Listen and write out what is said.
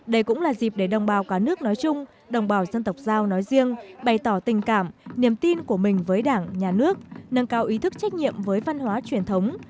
đây cũng là dịp để đồng bào cả nước nói chung đồng bào dân tộc giao nói riêng bày tỏ tình cảm niềm tin của mình với đảng nhà nước nâng cao ý thức trách nhiệm với văn hóa truyền thống